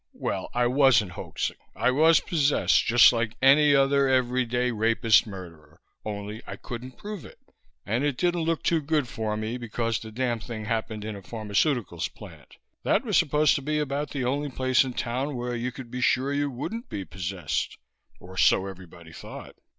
Well, I wasn't hoaxing. I was possessed, just like any other everyday rapist murderer, only I couldn't prove it. And it didn't look too good for me, because the damn thing happened in a pharmaceuticals plant. That was supposed to be about the only place in town where you could be sure you wouldn't be possessed, or so everybody thought.